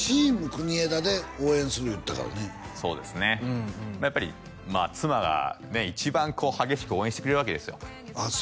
国枝で応援する言うてたからねそうですねやっぱり妻がね一番激しく応援してくれるわけですよああ